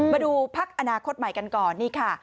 มาดูพักอนาคตใหม่กันก่อนนี่ค่ะ